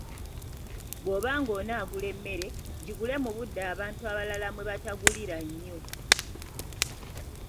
Bw’oba on'ogula emmere, gigule mu budde abantu abalala mwe batagulira nnyo.